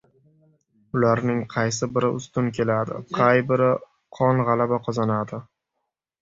Ularning qaysi biri ustun keladi? Qay bir qon gʻalaba qozonadi?